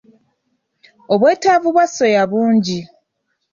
Obwetaavu bwa soya bungi.